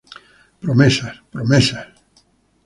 Promesas, promesas.